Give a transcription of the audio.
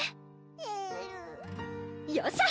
えるよっしゃ！